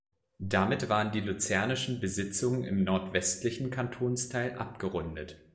Damit waren die luzernischen Besitzungen im nordwestlichen Kantonsteil abgerundet.